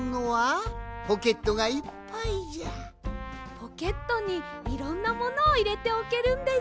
ポケットにいろんなものをいれておけるんです。